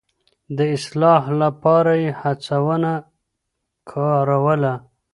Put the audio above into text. د اصلاح لپاره يې هڅونه کاروله.